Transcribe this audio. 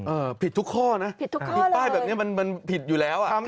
เออผิดทุกข้อนะผิดป้ายแบบนี้มันผิดอยู่แล้วอ่ะค่ะ